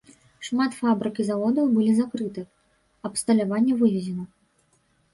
Шмат фабрык і заводаў былі закрыты, абсталяванне вывезена.